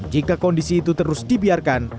jika kondisi itu terus dibiarkan